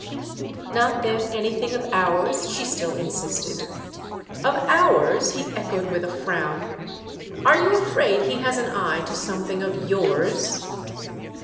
"Not then anything of ours?" she still insisted. "Of 'ours'?" he echoed with a frown. "Are you afraid he has an eye to something of yours?"